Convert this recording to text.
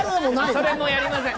それもやりません。